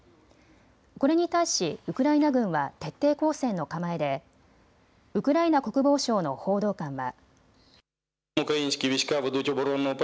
これに対しウクライナ軍は徹底抗戦の構えでウクライナ国防省の報道官は。